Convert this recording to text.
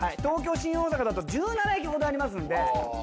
東京新大阪だと１７駅ほどあります。